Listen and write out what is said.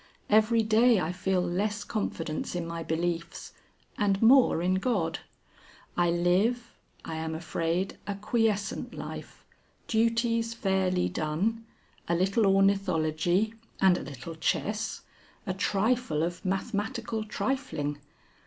Every day I feel less confidence in my beliefs, and more in God. I live, I am afraid, a quiescent life, duties fairly done, a little ornithology and a little chess, a trifle of mathematical trifling.